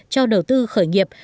cho đầu tư khởi nghiệp